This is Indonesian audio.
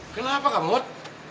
kenapa kak mut